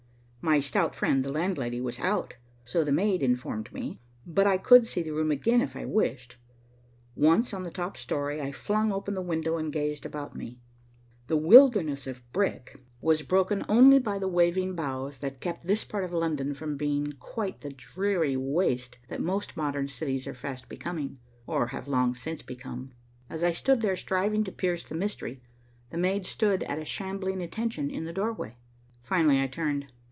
My stout friend the landlady was out, so the maid informed me, but I could see the room again if I wished. Once on the top story, I flung open the window and gazed about me. The wilderness of brick was broken only by the waving boughs that keep this part of London from being quite the dreary waste that most modern cities are fast becoming, or have long since become. As I stood there striving to pierce the mystery, the maid stood at a shambling attention in the doorway. Finally, I turned.